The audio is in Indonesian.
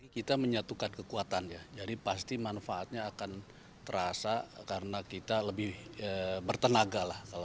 kita menyatukan kekuatan ya jadi pasti manfaatnya akan terasa karena kita lebih bertenaga lah